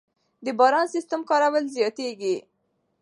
د باراني سیستم کارول زیاتېږي.